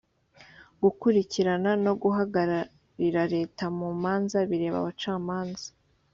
gukurikirana no guhagararira leta mu manza bireba abacamanza.